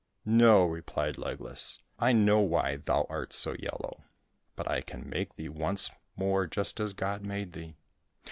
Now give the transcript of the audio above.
" No," replied Legless. " I know why thou art so yellow. But I can make thee once more just as God made thee."